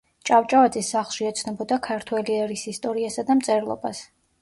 ჭავჭავაძის სახლში ეცნობოდა ქართველი ერის ისტორიასა და მწერლობას.